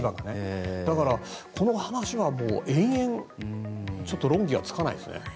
だから、この話は延々ちょっと論議がつかないですね。